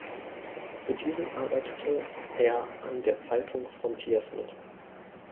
Für diesen arbeitete er an der Zeitung Frontiers mit.